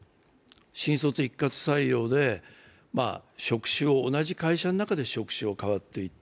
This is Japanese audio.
新卒一括採用で同じ会社の中で職種が変わっていく。